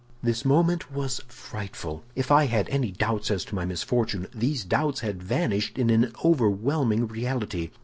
"This moment was frightful; if I had any doubts as to my misfortune, these doubts had vanished in an overwhelming reality.